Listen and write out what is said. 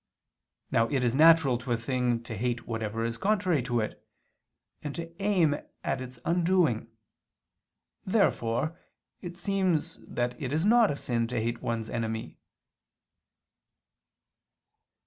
Now it is natural to a thing to hate whatever is contrary to it, and to aim at its undoing. Therefore it seems that it is not a sin to hate one's I enemy.